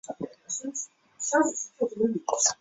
他是第三任登丹人酋长。